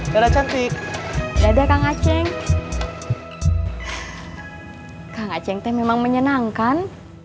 dadah cantik dadah kang aceh kang aceh memang menyenangkan